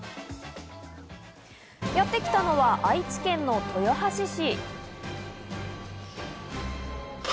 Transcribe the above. やってきたのは愛知県の豊橋市。